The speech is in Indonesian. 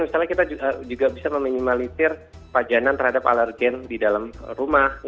misalnya kita juga bisa meminimalisir pajanan terhadap alergen di dalam rumah